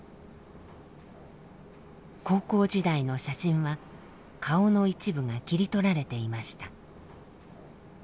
高校時代の写真は顔の一部が切り取られていました。